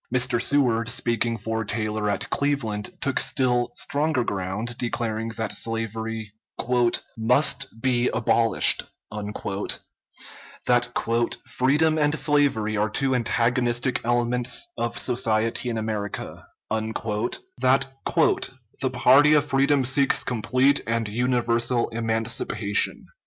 Mr. Seward, speaking for Taylor at Cleveland, took still stronger ground, declaring that slavery "must be abolished;" that "freedom and slavery are two antagonistic elements of society in America;" that "the party of freedom seeks complete and universal emancipation."